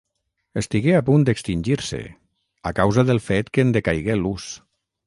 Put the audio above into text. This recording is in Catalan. Estigué a punt d'extingir-se a causa del fet que en decaigué l'ús.